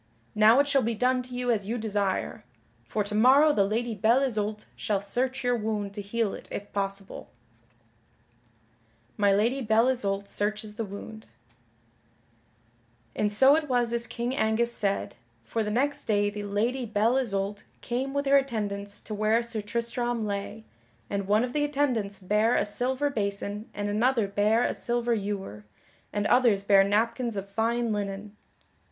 Now it shall be done to you as you desire, for to morrow the Lady Belle Isoult shall search your wound to heal it if possible." [Sidenote: My Lady Belle Isoult searches the wound] And so it was as King Angus said, for the next day the Lady Belle Isoult came with her attendants to where Sir Tristram lay, and one of the attendants bare a silver basin and another bare a silver ewer, and others bare napkins of fine linen.